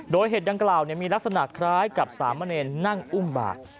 โดยเหตุดังกล่าวมีลักษณะคล้ายกับสามเณรนั่งอุ้มบาด